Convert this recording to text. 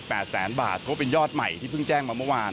แสนบาทเพราะเป็นยอดใหม่ที่เพิ่งแจ้งมาเมื่อวาน